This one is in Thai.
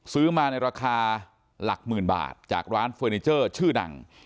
ซื้อมาในราคาหลักหมื่นบาทจากร้านเฟอร์นิเจอร์ชื่อดัง